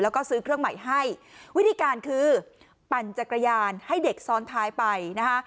แล้วก็ซื้อเครื่องใหม่ให้วิธีการคือปั่นจักรยานให้เด็กซ้อนท้ายไปนะคะ